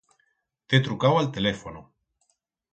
T'he trucau a'l telefono.